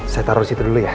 saya taruh di situ dulu ya